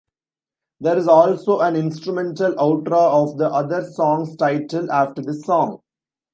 There is also an instrumental outro of the other song's title after this song.